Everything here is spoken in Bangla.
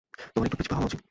তোমার একটু পিছপা হওয়া উচিৎ।